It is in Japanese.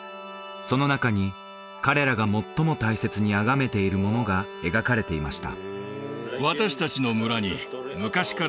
その中に彼らが最も大切に崇めているものが描かれていました